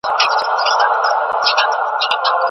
دوی به د غوښتنو د مغلوبولو لپاره په هوښیارۍ کار اخیست.